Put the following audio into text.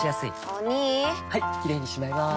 お兄はいキレイにしまいます！